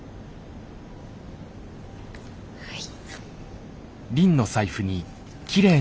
はい。